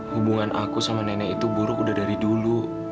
hubungan aku sama nenek itu buruk udah dari dulu